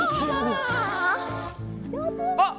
あっ！